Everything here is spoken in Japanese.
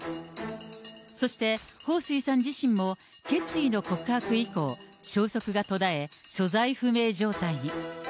そして、彭帥さん自身も、決意の告白以降、消息が途絶え、所在不明状態に。